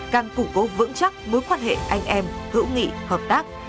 càng củng cố vững chắc mối quan hệ anh em hữu nghị hợp tác